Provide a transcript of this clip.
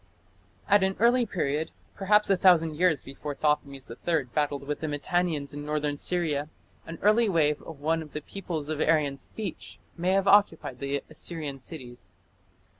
At an early period, perhaps a thousand years before Thothmes III battled with the Mitannians in northern Syria, an early wave of one of the peoples of Aryan speech may have occupied the Assyrian cities.